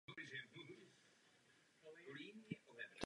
Psal latinsky nebo anglicky.